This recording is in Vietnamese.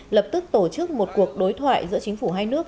lập tức tổ chức một cuộc đối thoại giữa chính phủ hai nước